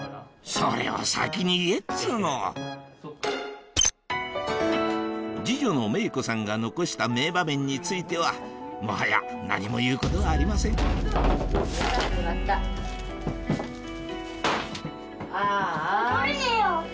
それを先に言えっつうのが残した名場面についてはもはや何も言うことはありませんああ。